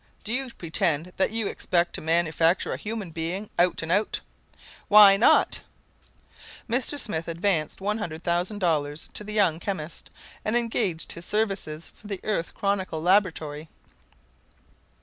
"Do you pretend that you expect to manufacture a human being out and out?" "Why not?" Mr. Smith advanced $100,000 to the young chemist, and engaged his services for the Earth Chronicle laboratory.